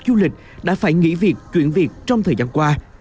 du lịch đã phải nghỉ việc chuyển việc trong thời gian qua